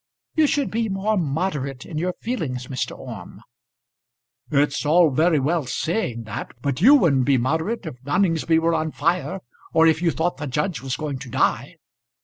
"You should be more moderate in your feelings, Mr. Orme." "It's all very well saying that; but you wouldn't be moderate if Noningsby were on fire, or if you thought the judge was going to die."